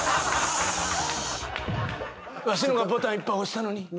わしの方がボタンいっぱい押したのに。